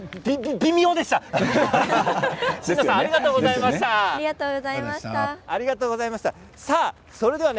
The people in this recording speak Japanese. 微妙でしたね。